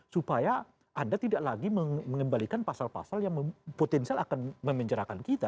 supaya anda tidak lagi mengembalikan pasal pasal yang potensial akan memenjarakan kita